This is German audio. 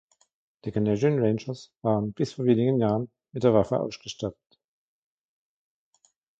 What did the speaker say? Die "Canadian Rangers" waren bis vor wenigen Jahren mit der Waffe ausgestattet.